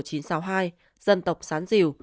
dân tộc sán diều